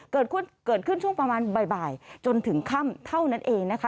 เกิดขึ้นช่วงประมาณบ่ายจนถึงค่ำเท่านั้นเองนะคะ